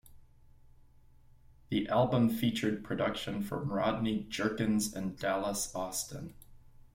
The album featured production from Rodney Jerkins and Dallas Austin.